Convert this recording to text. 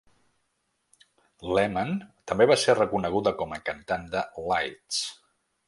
Lehmann també va ser reconeguda com a cantant de "lieds".